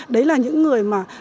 đấy là những người mà